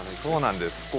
そうなんです。